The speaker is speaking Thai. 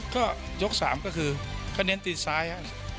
ก็ยก๓ก็คือก็เน้นตีนซ้ายครับ